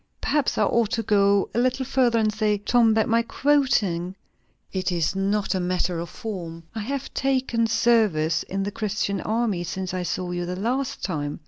"Perhaps I ought to go a little further, and say, Tom, that my quoting it is not a matter of form. I have taken service in the Christian army, since I saw you the last time.